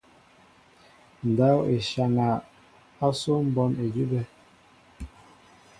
Ndáw e nsháŋa asó mbón edube.